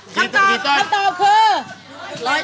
คำตอบคือ